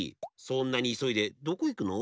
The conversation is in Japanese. そんなにいそいでどこいくの？